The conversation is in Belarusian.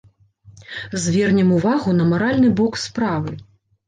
Звернем увагу на маральны бок справы.